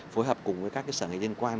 phối hợp cùng với các cái sở nghệ liên quan